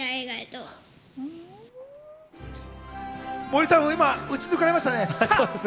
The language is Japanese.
森さんも今、打ち抜かれましたね。